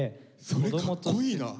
それかっこいいな。